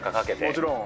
もちろん。